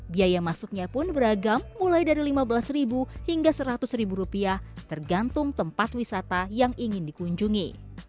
biaya masuknya pun beragam mulai dari lima belas ribu hingga seratus ribu rupiah tergantung tempat wisata yang ingin dikunjungi